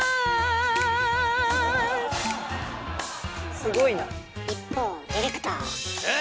すごいな。一方ディレクター。え？